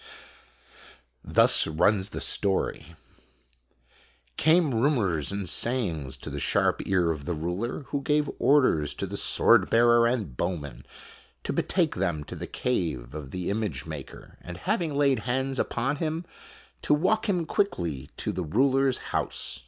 Thus runs the story : Came rumors and sayings to the sharp ear of the ruler, who gave orders to the swordbearer and bowmen to betake them to the cave of the image maker, and, having laid hands upon him, to walk him quickly to the ruler's house.